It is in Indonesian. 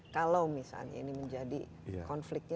kalau misalnya ini menjadi konfliknya